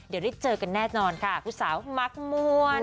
เดี๋ยวได้เจอกันแน่นอนค่ะคุณสาวมักมวล